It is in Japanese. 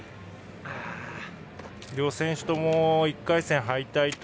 両選手とも１回戦敗退。